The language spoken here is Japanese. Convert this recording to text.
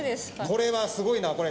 これはすごいな。